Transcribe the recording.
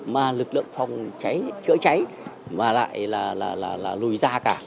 mà lực lượng phòng cháy chữa cháy và lại là lùi ra cả